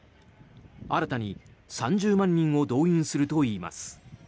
新たに３０万人を動員するといいます。